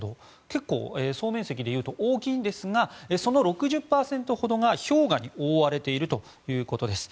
結構、総面積でいうと大きいんですがその６０％ほどが氷河に覆われているということです。